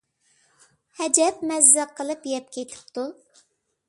ھەجەپ مەززە قىلىپ يەپ كېتىپتۇ.